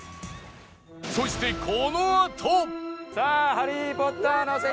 そしてこのあと！